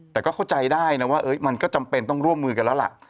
แต่ก็เข้าใจได้นะว่ามันก็จำเป็นต้องร่วมมือกันแล้วล่ะ